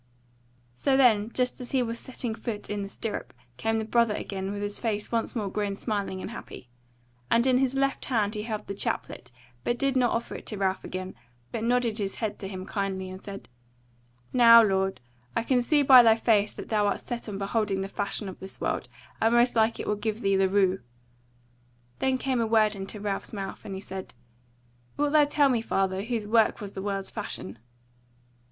So then, just as he was setting his foot in the stirrup, came the Brother again, with his face once more grown smiling and happy; and in his left hand he held the chaplet, but did not offer it to Ralph again, but nodded his head to him kindly, and said: "Now, lord, I can see by thy face that thou art set on beholding the fashion of this world, and most like it will give thee the rue." Then came a word into Ralph's mouth, and he said: "Wilt thou tell me, father, whose work was the world's fashion?"